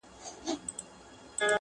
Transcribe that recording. ما دا څه عمرونه تېر کړله بېځایه!!